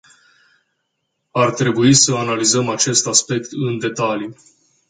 Ar trebui să analizăm acest aspect în detaliu.